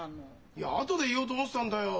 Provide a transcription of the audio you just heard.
いやあとで言おうと思ってたんだよ。